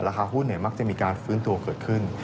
หุ้นมักจะมีการฟื้นตัวเกิดขึ้น